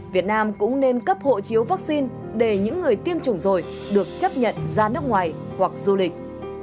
việt nam cũng nên cấp hộ chiếu vaccine để những người tiêm chủng rồi được chấp nhận ra nước ngoài hoặc du lịch